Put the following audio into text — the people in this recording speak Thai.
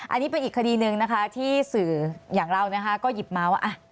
อันนี้เป็นอีกคดีหนึ่งนะคะที่สื่ออย่างเรานะคะก็หยิบมาว่า